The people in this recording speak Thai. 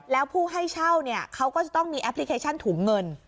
แล้วผู้ให้เช่าเนี่ยเขาก็จะต้องมีแอปพลิเคชันถุงเงิน